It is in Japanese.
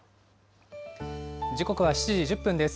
時刻は７時１０分です。